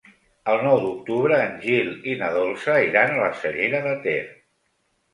El nou d'octubre en Gil i na Dolça iran a la Cellera de Ter.